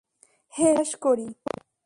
হে, বিশ্বাস করি।